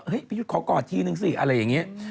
พี่ยุทธ์ขอกอดทีนึงสิอะไรอย่างนี้